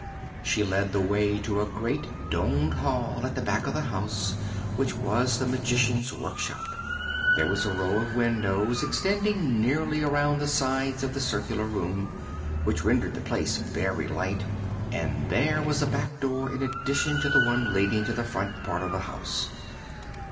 She led the way to a great domed hall at the back of the house, which was the Magician's workshop. There was a row of windows extending nearly around the sides of the circular room, which rendered the place very light, and there was a back door in addition to the one leading to the front part of the house.